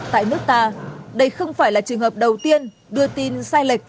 tại nước ta đây không phải là trường hợp đầu tiên đưa tin sai lệch